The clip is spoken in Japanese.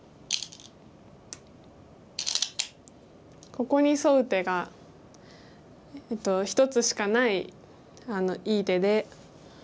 ここにソウ手が一つしかないいい手で。